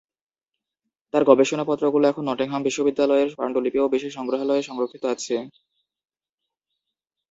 তাঁর গবেষণাপত্রগুলো এখন নটিংহাম বিশ্ববিদ্যালয়ের পাণ্ডুলিপি ও বিশেষ সংগ্রহালয়ে সংরক্ষিত আছে।